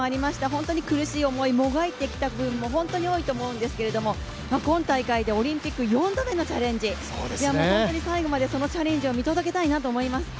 本当に苦しい思い、もがいてきた分本当に多いと思うんですけど、今大会でオリンピック４度目のチャレンジ、最後までそのチャレンジを見届けたいなと思います。